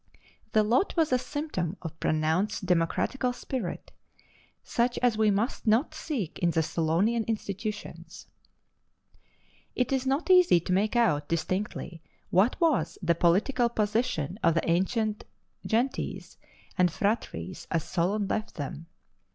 The lot was a symptom of pronounced democratical spirit, such as we must not seek in the Solonian institutions. It is not easy to make out distinctly what was the political position of the ancient gentes and phratries, as Solon left them.